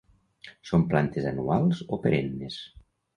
Són plantes anuals o perennes.